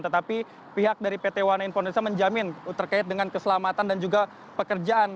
tetapi pihak dari pt one indonesia menjamin terkait dengan keselamatan dan juga pekerjaan